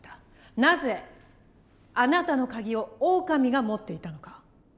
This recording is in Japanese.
なぜあなたのカギをオオカミが持っていたのか？